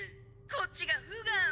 「こっちがフガン」。